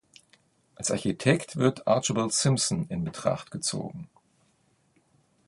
Als Architekt wird Archibald Simpson in Betracht gezogen.